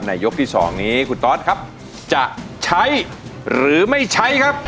ยกที่๒นี้คุณตอสครับจะใช้หรือไม่ใช้ครับ